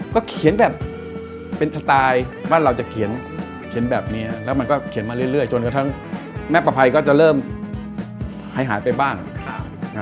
ก็เขียนแบบเป็นสไตล์ว่าเราจะเขียนแบบนี้แล้วมันก็เขียนมาเรื่อยจนกระทั่งแม่ประภัยก็จะเริ่มหายหายไปบ้าง